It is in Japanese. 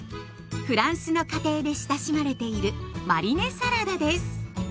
フランスの家庭で親しまれているマリネサラダです。